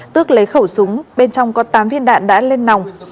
tước lấy khẩu súng bên trong có tám viên đạn đã lên nòng